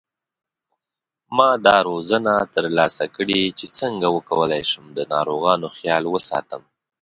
ما دا روزنه تر لاسه کړې چې څنګه وکولای شم د ناروغانو خیال وساتم